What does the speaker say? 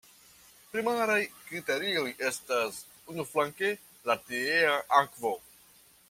Primaraj kriterioj estas unuflanke la tiea akvo...